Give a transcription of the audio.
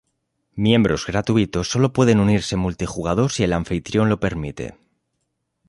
Miembros gratuitos sólo pueden unirse multijugador si el anfitrión lo permite.